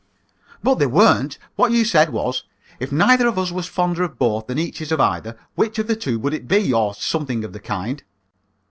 "But they weren't! What you said was, 'If neither of us was fonder of both than each is of either, which of the two would it be?' or something of the kind."